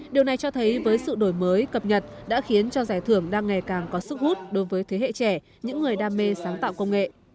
điều này cho thấy với sự đổi mới cập nhật đã khiến cho giải thưởng đang ngày càng có sức hút đối với thế hệ trẻ những người đam mê sáng tạo công nghệ